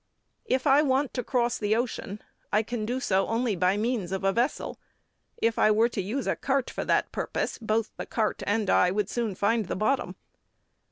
If I want to cross the ocean, I can do so only by means of a vessel; if I were to use a cart for that purpose, both the cart and I would soon find the bottom.